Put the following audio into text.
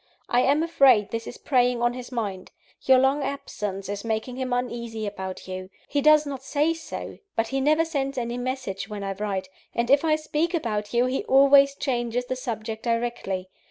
I am afraid this is preying on his mind: your long absence is making him uneasy about you. He does not say so; but he never sends any message, when I write; and if I speak about you, he always changes the subject directly.